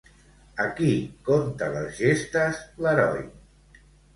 A qui conta les gestes l'heroi?